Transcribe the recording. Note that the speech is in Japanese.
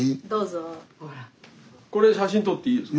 これ写真撮っていいですか？